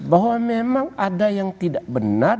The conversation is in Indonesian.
bahwa memang ada yang tidak benar